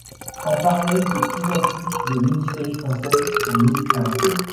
En parallèle, de plus en plus de mini-séries françaises sont mises à l'antenne.